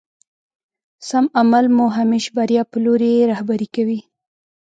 سم عمل مو همېش بريا په لوري رهبري کوي.